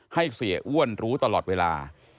ให้เสียอ้วนรู้ตลอดเวลา